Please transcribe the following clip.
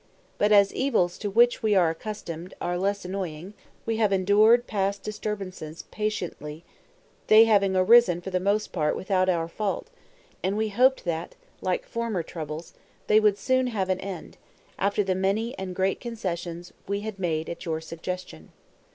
But as evils to which we are accustomed are less annoying, we have endured past disturbances patiently, they having arisen for the most part without our fault; and we hoped that, like former troubles, they would soon have an end, after the many and great concessions we had made at your suggestion.